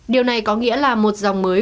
điều này có nghĩa là một dòng mới